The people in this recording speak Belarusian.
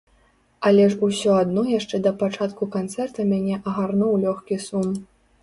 Але ж усё адно яшчэ да пачатку канцэрта мяне агарнуў лёгкі сум.